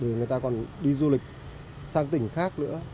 thì người ta còn đi du lịch sang tỉnh khác nữa